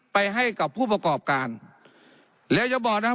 ไปให้กับผู้ประกอบการแล้วอย่าบอกนะครับ